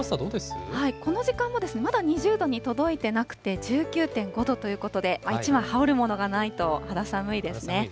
この時間もまだ２０度に届いてなくて、１９．５度ということで、一枚羽織るものがないと肌寒いですね。